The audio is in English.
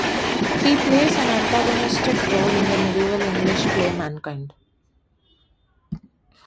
He plays an antagonistic role in the Medieval English play "Mankind".